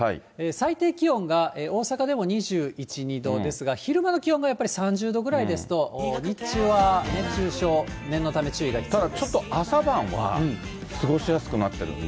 最低気温が大阪でも２１、２度ですが、昼間の気温がやっぱり３０度ぐらいですと、日中は熱中症、ただ、ちょっと朝晩は過ごしやすくなってるんで。